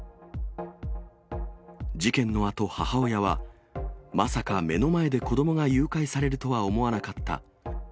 事件のあと、母親はまさか目の前で子どもが誘拐されるとは思わなかった。